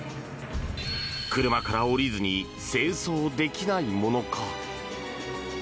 車から降りずに清掃できないものか。